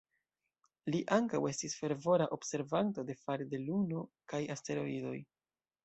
Li ankaŭ estis fervora observanto de fare de Luno kaj asteroidoj.